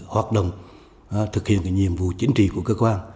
hoạt động thực hiện nhiệm vụ chính trị của cơ quan